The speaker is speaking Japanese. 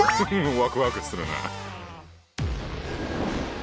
ワクワクするな！